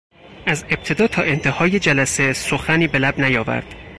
از ابتدا تا انتهای جلسه سخنی به لب نیاورد.